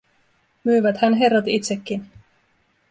Myyväthän herrat itsekin.